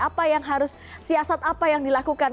apa yang harus siasat apa yang dilakukan